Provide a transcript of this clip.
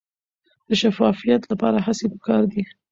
د شفافیت لپاره هڅې پکار دي.